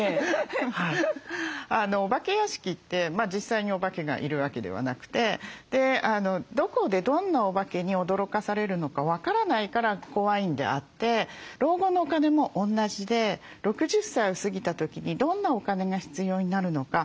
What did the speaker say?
お化け屋敷って実際にお化けがいるわけではなくてどこでどんなお化けに驚かされるのか分からないから怖いんであって老後のお金も同じで６０歳を過ぎた時にどんなお金が必要になるのか。